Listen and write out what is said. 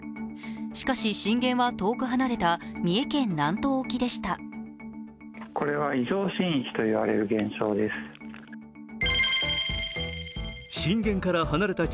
しかし、震源は遠く離れた三重県南東沖でした。